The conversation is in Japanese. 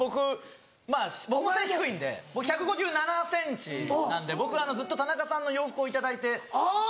まぁ僕も背低いんで僕１５７ｃｍなんで僕ずっと田中さんの洋服を頂いて。